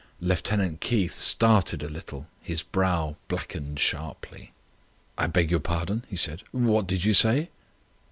Lieutenant Keith started a little; his brow blackened sharply. "I beg your pardon," he said. "What did you say?"